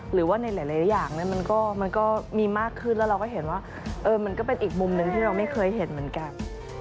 หรือว่าในหลายอย่างมันก็มีมากขึ้นแล้วเราก็เห็นว่ามันก็เป็นอีกมุมหนึ่งที่เราไม่เคยเห็นเหมือนกัน